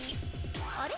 あれ？